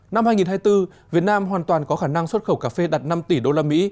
năm hai nghìn hai mươi bốn việt nam hoàn toàn có khả năng xuất khẩu cà phê đặt năm tỷ usd